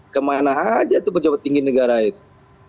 kemana aja itu pejabat tinggi negara itu